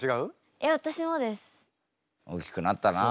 大きくなったなあ。